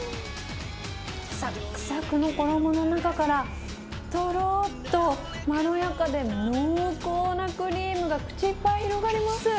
さっくさくの衣の中から、とろーっとまろやかで濃厚なクリームが口いっぱいに広がります。